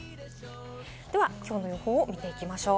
ではきょうの予報を見ていきましょう。